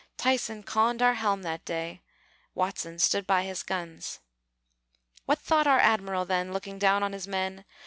Tyson conned our helm that day; Watson stood by his guns. What thought our Admiral then, Looking down on his men?